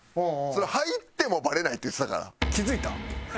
入ってもバレないって言ってたから。